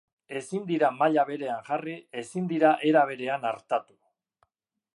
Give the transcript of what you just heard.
Ezin dira maila berean jarri, ezin dira era berean artatu.